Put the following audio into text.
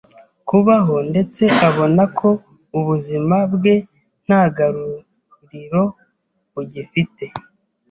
kubaho ndetse abona ko ubuzima bwe nta garuriro bugifite.